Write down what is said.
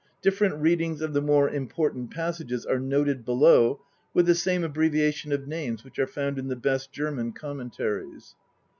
Different readings of the more important passages are noted below with the same abbreviation of names which are found in the best German commentaries.